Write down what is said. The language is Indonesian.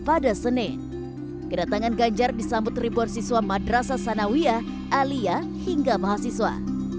pada senin kedatangan ganjar disambut ribuan siswa madrasah sanawiyah alia hingga mahasiswa